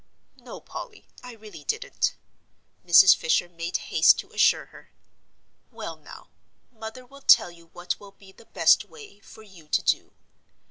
"No, Polly, I really didn't," Mrs. Fisher made haste to assure her. "Well, now, mother will tell you what will be the best way for you to do.